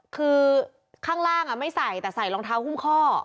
คือข้างล่างไม่ใส่แต่ใส่รองเท้าหุ้มข้อ